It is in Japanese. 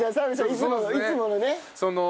いつものね。